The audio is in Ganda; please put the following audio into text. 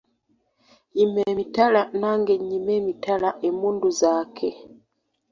Yima emitala nange nnyime emitala emmundu zaake.